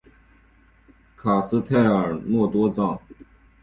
卡斯泰尔诺多藏。